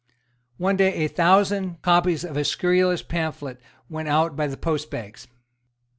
One day a thousand copies of a scurrilous pamphlet went out by the postbags.